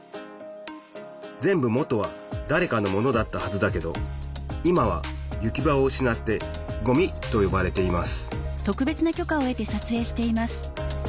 全部もとはだれかのものだったはずだけど今は行き場を失ってごみとよばれています